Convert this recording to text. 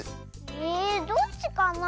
えどっちかな？